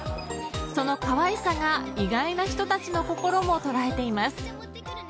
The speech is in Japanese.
その可愛さが意外な人たちの心も捉えています。